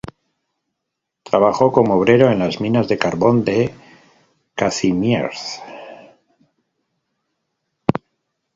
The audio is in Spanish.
Trabajó como obrero en las minas de carbón de Kazimierz.